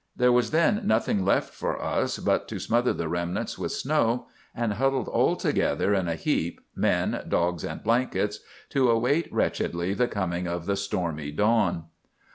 There was then nothing left for us but to smother the remnants with snow, and huddled altogether in a heap—men, dogs, and blankets—to await wretchedly the coming of the stormy dawn.